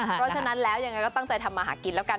เพราะฉะนั้นแล้วยังไงก็ตั้งใจทำมาหากินแล้วกัน